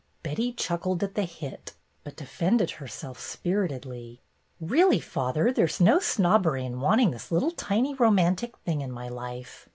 Betty chuckled at the hit, but defended herself spiritedly. "Really, father, there's no snobbery in wanting this little tiny romantic thing in my life.